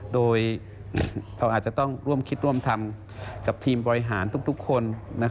โดยเราอาจจะต้องร่วมคิดร่วมทำกับทีมบริหารทุกคน